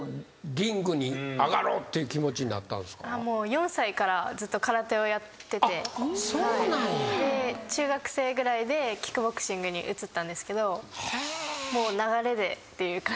４歳からずっと空手をやってて中学生ぐらいでキックボクシングに移ったんですけどもう流れでっていう感じですね。